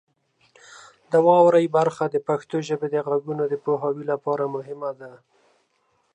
د واورئ برخه د پښتو ژبې د غږونو د پوهاوي لپاره مهمه ده.